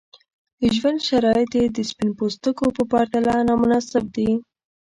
د ژوند شرایط یې د سپین پوستکو په پرتله نامناسب دي.